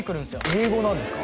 英語なんですか？